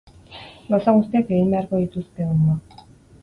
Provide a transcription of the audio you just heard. Gauza guztiak egin beharko dituzte ondo.